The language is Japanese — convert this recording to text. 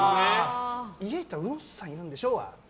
家に行ったらうのさんいるんでしょ？は。